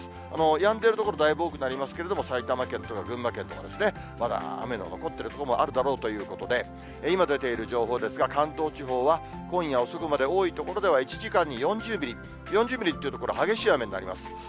やんでいる所、だいぶ多くなりますけれども、埼玉県とか群馬県とかですね、まだ雨の残っている所もあるだろうということで、今、出ている情報ですが、関東地方は、今夜遅くまで多い所では１時間に４０ミリ、４０ミリっていうと、激しい雨になります。